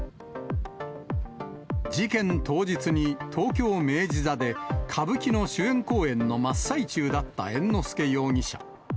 事件当日に東京・明治座で、歌舞伎の主演公演の真っ最中だった猿之助容疑者。